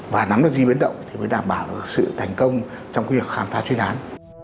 và nắm được di biến động thì mới đảm bảo được sự thành công trong việc khám phá chuyên án